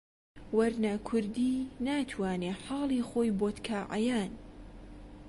وەرنە کوردی ناتوانێ حاڵی خۆی بۆت کا عەیان